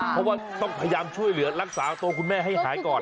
เพราะว่าต้องพยายามช่วยเหลือรักษาตัวคุณแม่ให้หายก่อน